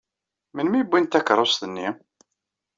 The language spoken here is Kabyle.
Melmi i wwint takeṛṛust-im?